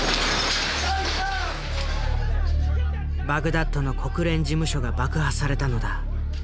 バグダッドの国連事務所が爆破されたのだ。